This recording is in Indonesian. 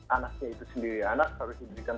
anaknya itu sendiri anak harus diberikan